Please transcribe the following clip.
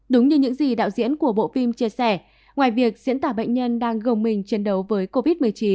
đúng như những gì đạo diễn của bộ phim chia sẻ ngoài việc diễn tả bệnh nhân đang gồng mình chiến đấu với covid một mươi chín